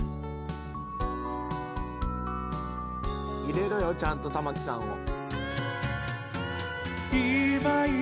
入れろよちゃんと玉置さんを。